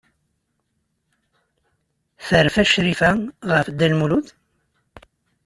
Terfa Crifa ɣef Dda Lmulud?